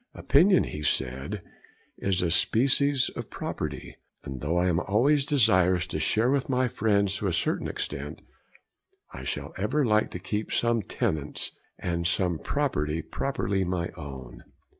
'Opinion,' he said, 'is a species of property; and though I am always desirous to share with my friends to a certain extent, I shall ever like to keep some tenets and some property properly my own.'